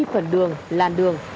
về đi phần đường làn đường